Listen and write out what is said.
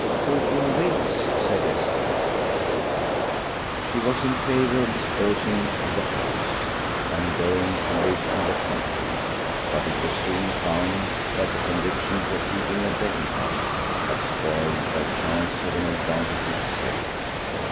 "Fourteen weeks," said Esther. She was in favour of disposing of the house and going to live in the country. But it was soon found that the conviction for keeping a betting house had spoiled their chance of an advantageous sale.